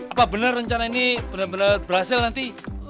apa bener rencana ini bener bener berhasil nanti